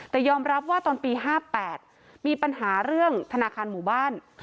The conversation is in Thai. แต่ยอมรับว่าตอนปี๕๘มีปัญหาเรื่องธนาคารหมู่บ้าน